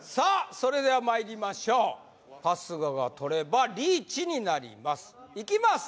それではまいりましょう春日がとればリーチになりますいきます